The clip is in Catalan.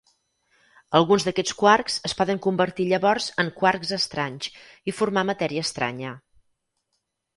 Alguns d'aquests quarks es poden convertir llavors en quarks estranys i formar matèria estranya.